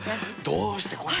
どうしてこんな。